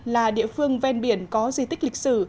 là địa phương ven biển có di tích lịch sử